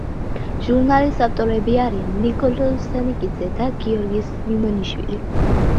ჟურნალის ავტორები არიან ნიკოლოზ სანიკიძე და გიორგი სვიმონიშვილი.